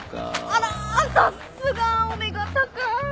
あらさっすがお目が高い。